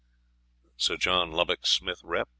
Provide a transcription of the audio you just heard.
(Sir John Lubbock, "Smith. Rep.